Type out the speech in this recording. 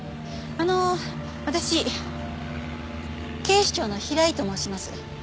あの私警視庁の平井と申します。